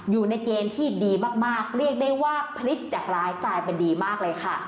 อยู่ในเกณฑ์ที่ดีมากเรียกได้ว่าพลิกจากร้ายกลายเป็นดีมากเลยค่ะ